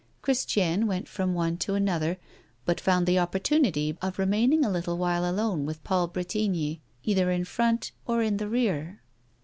Christiane went from one to another, but found the opportunity of remaining a little while alone with Paul Bretigny either in front or in the rear.